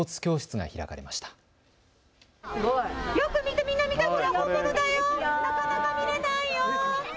なかなか見れないよ。